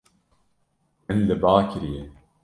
Min li ba kiriye.